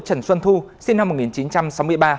trần xuân thu sinh năm một nghìn chín trăm sáu mươi ba